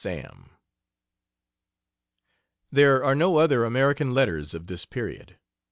SAM. There are no other American letters of this period.